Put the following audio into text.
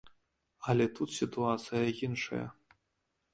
Але тут сітуацыя іншая.